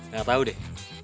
gak tau deh